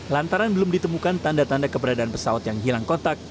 lantaran belum ditemukan tanda tanda keberadaan pesawat yang hilang kontak